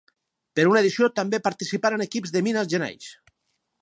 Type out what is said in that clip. Per una edició també participaren equips de Minas Gerais.